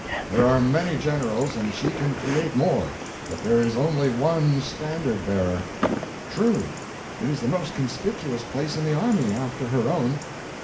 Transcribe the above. There are many generals, and she can create more; but there is only one Standard Bearer." "True. It is the most conspicuous place in the army, after her own."